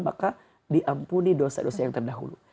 maka diampuni dosa dosa yang terdahulu